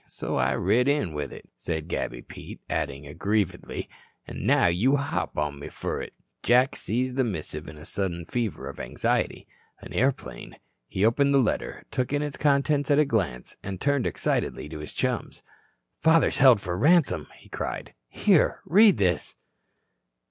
So I rid in with it," said Gabby Pete, adding aggrievedly: "an' now you hop on me fur it." Jack seized the missive in a sudden fever of anxiety. An airplane? He opened the letter, took in its contents at a glance, and turned excitedly to his chums. "Father's held for ransom," he cried. "Here. Read this."